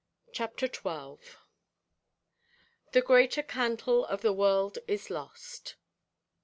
CHAPTER XII. 'THE GREATER CANTLE OF THE WORLD IS LOST.'